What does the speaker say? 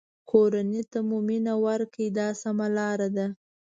کورنۍ ته مو مینه ورکړئ دا سمه لاره ده.